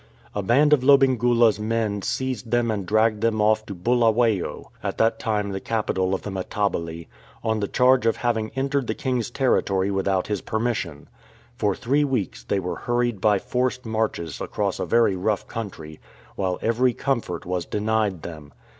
A band of Lobengula's men seized them and dragged them off to Bulawayo, at that time the capital of the Matabele, on the charge of having entered the king'^s territory without his permis sion. For three wrecks they were hurried by forced marches across a very rough country, while every com fort was denied them.